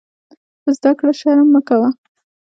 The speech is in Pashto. په زده کړه شرم مه کوۀ.